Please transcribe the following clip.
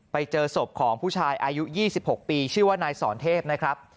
ไปเจอศพของผู้ชายอายุ๒๖ปีชื่อว่านายสอนเทพนะครับ